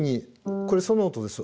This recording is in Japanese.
これソの音です。